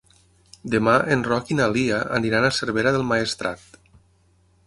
Demà en Roc i na Lia aniran a Cervera del Maestrat.